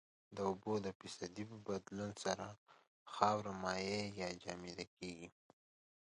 د اوبو د فیصدي په بدلون سره خاوره مایع یا جامد کیږي